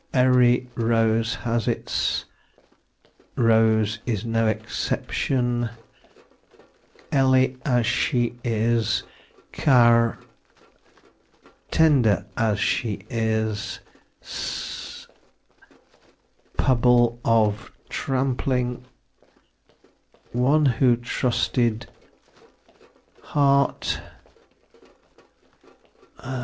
ery rose has its rose is no exception ely as she is, char tender as she is, s pable of tramplin one who trusted heart